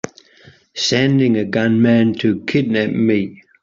Sending a gunman to kidnap me!